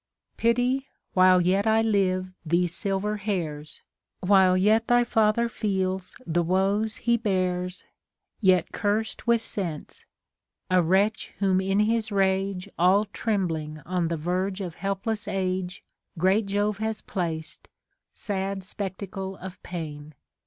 Pity, while yet I live, these silver hairs ; While yet thy father feels the woes he bears. Yet curst with sense ! a wretcii whom in his rage All trembling on the verge of helpless age Great Jove has placed, sad spectacle of pain